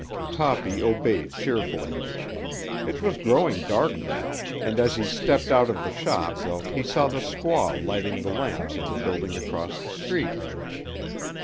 Toppy obeyed cheerfully. It was growing dark now, and as he stepped out of the shop he saw the squaw lighting the lamps in the building across the street.